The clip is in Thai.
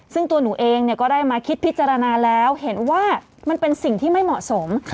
ซึ่งตัวหนูเองก็ได้มาคิดพิจารณาแล้วเห็นว่ามันเป็นสิ่งที่ไม่เหมาะสม